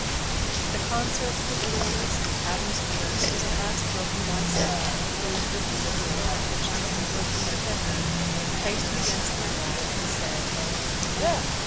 The concert of the tools and Adam's voice was at last broken by Seth, who, lifting the door at which he had been working intently, placed it against the wall, and said, "There!